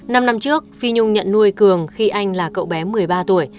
năm năm trước phi nhung nhận nuôi cường khi anh là cậu bé một mươi ba tuổi